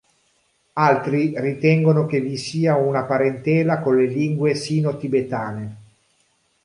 Altri ritengono che vi sia una parentela con le lingue sino-tibetane.